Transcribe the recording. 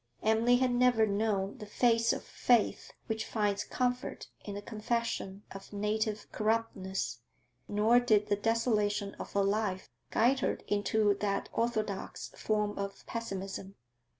Emily had never known the phase of faith which finds comfort in the confession of native corruptness, nor did the desolation of her life guide her into that orthodox form of pessimism.